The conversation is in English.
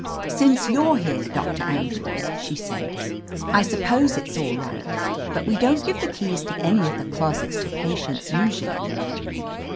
"Since you're here, Doctor Andrews," she said, "I suppose it's all right, but we don't give the keys to any of the closets to patients usually."